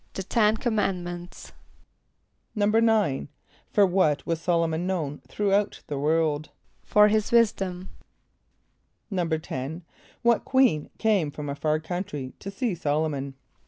=The ten commandments.= =9.= For what was S[)o]l´o mon known throughout the world? =For his wisdom.= =10.= What queen came from a far country to see S[)o]l´o mon?